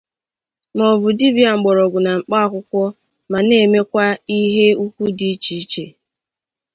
maọbụ dibịa mgbọrọgwụ na mkpaakwụkwọ ma na-emekwa ihe ukwu dị iche iche